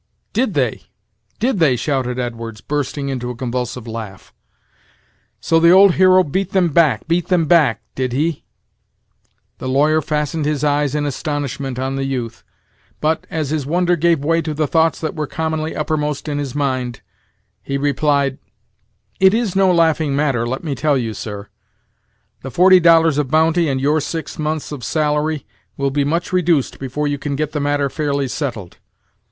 "Did they! did they!" shouted Edwards, bursting into a convulsive laugh; "so the old hero beat them back beat them back! did he?" The lawyer fastened his eyes in astonishment on the youth, but, as his wonder gave way to the thoughts that were commonly uppermost in his mind, he replied: "It is no laughing matter, let me tell you, sir; the forty dollars of bounty and your six months of salary will be much reduced before you can get the matter fairly settled.